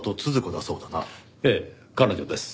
ええ彼女です。